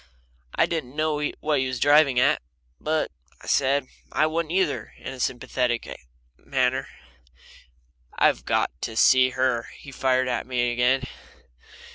I didn't know what he was driving at, but I said, "I wouldn't, either," in a sympathetic manner. "I've got to see her!" he fired at me again.